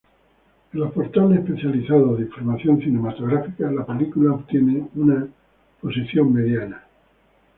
En los portales especializados de información cinematográfica la película obtiene una mediana posición.